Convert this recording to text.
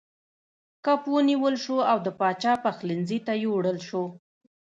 کب ونیول شو او د پاچا پخلنځي ته یووړل شو.